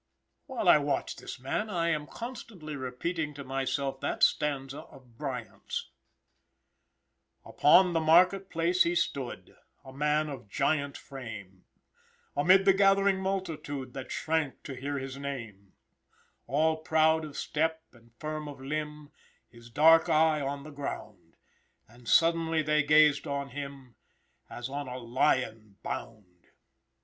While I watch this man I am constantly repeating to myself that stanza of Bryant's: "Upon the market place he stood, A man of giant frame, Amid the gathering multitude That shrank to hear his name; All proud of step and firm of limb, His dark eye on the ground And silently they gazed on him, As on a lion bound."